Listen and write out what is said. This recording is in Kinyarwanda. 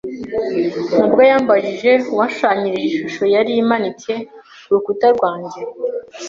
mabwa yambajije uwashushanyije ishusho yari imanitse ku rukuta rwanjye.